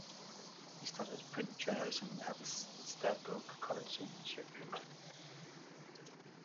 He studied print journalism at Stradbroke College in Sheffield.